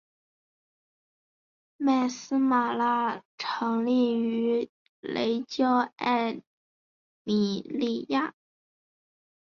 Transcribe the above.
麦丝玛拉成立于雷焦艾米利亚。